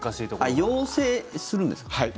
要請するんですか？